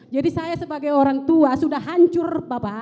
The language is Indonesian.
jadi saya sebagai orang tua sudah hancur